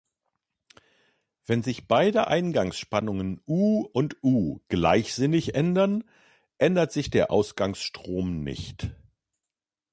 Wenn sich beide Eingangsspannungen "U" und "U" gleichsinnig ändern, ändert sich der Ausgangsstrom nicht.